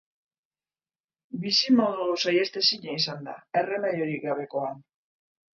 Bizimodu saihestezina izan da, erremediorik gabekoa.